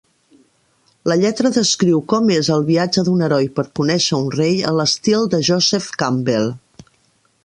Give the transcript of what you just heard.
La lletra descriu com és el "viatge d'un heroi" per conèixer un rei a l'estil de Joseph Campbell.